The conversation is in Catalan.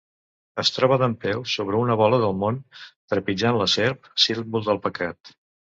Es troba dempeus sobre una bola del món, trepitjant la serp, símbol del pecat.